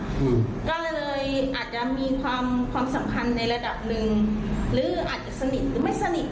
อืมก็เลยอาจจะมีความความสำคัญในระดับหนึ่งหรืออาจจะสนิทหรือไม่สนิท